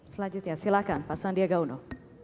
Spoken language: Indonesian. selanjutnya silakan pak sandiaga uno